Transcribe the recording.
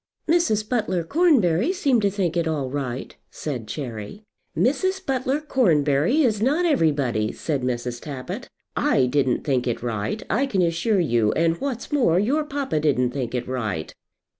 "Mrs. Butler Cornbury seemed to think it all right," said Cherry. "Mrs. Butler Cornbury is not everybody," said Mrs. Tappitt. "I didn't think it right, I can assure you; and what's more, your papa didn't think it right."